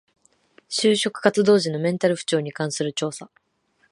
就職活動時のメンタル不調に関する調査